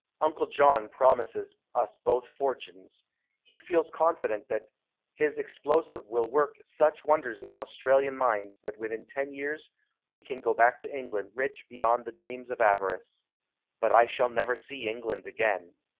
Uncle John promises us both fortunes. He feels confident that his explosive will work such wonders in Australian mines that within ten years we can go back to England rich beyond the dreams of avarice. But I shall never see England again.